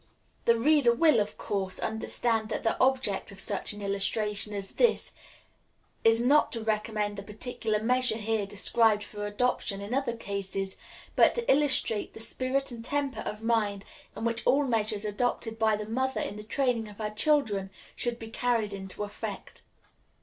The reader will, of course, understand that the object of such an illustration as this is not to recommend the particular measure here described for adoption in other cases, but to illustrate the spirit and temper of mind in which all measures adopted by the mother in the training of her children should be carried into effect.